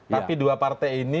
tapi dua partai ini